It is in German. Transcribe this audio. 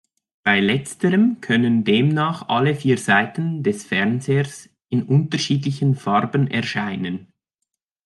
Bei Letzterem können demnach alle vier Seiten des Fernsehers in unterschiedlichen Farben erscheinen.